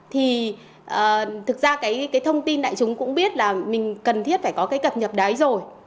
thì thực ra cái thông tin đại chúng cũng biết là mình cần thiết phải có cái cập nhật đấy rồi